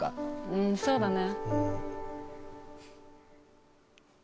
うんそうだね。